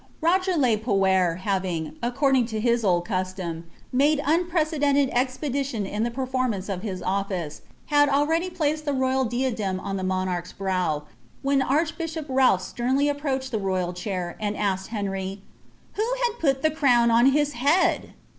Rog«r 1« Pmt having, according lo his old custom, made unprecedented expetlidon a the performance of bis office, bad already placed the royal diadem « the monarclfs brow, when archbishop Itnlpb slendy approached lilt royal chair, and asked Henr} , "Who had put the crown on his heail!"'